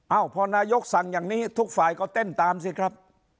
พอนายกสั่งอย่างนี้ทุกฝ่ายก็เต้นตามสิครับ